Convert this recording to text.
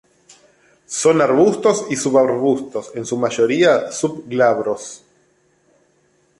Son arbustos y subarbustos, en su mayoría sub glabros.